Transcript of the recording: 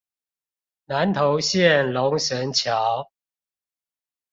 南投縣龍神橋